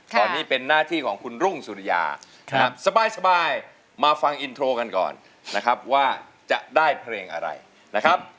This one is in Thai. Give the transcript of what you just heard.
ตอนนี้เป็นหน้าที่ของคุณรุ่งสุริยาสบายมาฟังอินโทรกันก่อนนะครับว่าจะได้เพลงอะไรนะครับ